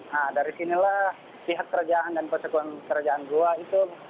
nah dari sinilah pihak kerajaan dan kerajaan goa itu